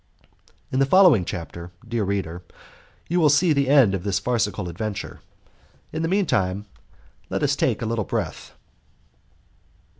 In the following chapter, dear reader, you will see the end of this farcical adventure. In the mean time, let us take a little breath.